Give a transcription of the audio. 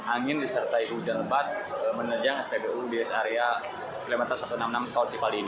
angin disertai hujan lebat menerjang spbu di rest area kilometer satu ratus enam puluh enam tol cipali ini